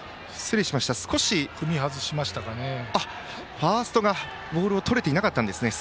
ファーストがボールをとれていなかったんですね。